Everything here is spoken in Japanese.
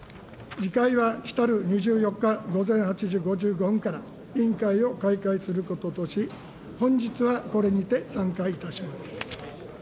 次会はきたる２４日、午前８時５５分から、委員会を開会することとし、本日はこれにて散会いたします。